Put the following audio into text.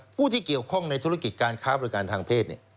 ผู้ที่เกี่ยวข้องในธุรกิจการค้าบริการทางเพศ